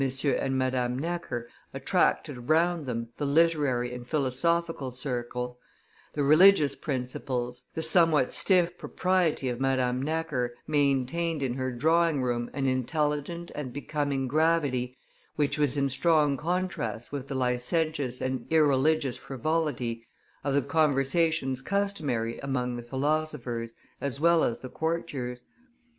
and Madame Necker attracted round them the literary and philosophical circle; the religious principles, the somewhat stiff propriety of Madame Necker maintained in her drawing room an intelligent and becoming gravity which was in strong contrast with the licentious and irreligious frivolity of the conversations customary among the philosophers as well as the courtiers.